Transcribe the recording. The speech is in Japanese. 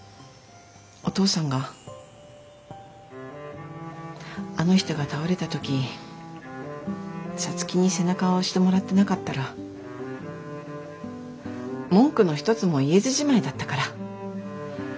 お父さんがあの人が倒れた時皐月に背中を押してもらってなかったら文句の一つも言えずじまいだったから。